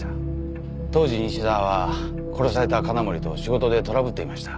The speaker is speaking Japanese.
当時西沢は殺された金森と仕事でトラブっていました。